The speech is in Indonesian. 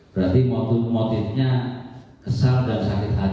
berarti motif motifnya kesal dan sakit hati